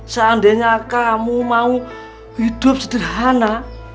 seandainya kamu mau hidup sederhana